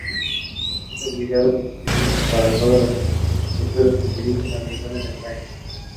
The election was won by Garba Yakubu Lado of the Peoples Democratic Party.